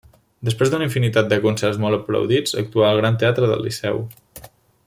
Després d'una infinitat de concerts molt aplaudits, actuà al Gran Teatre del Liceu.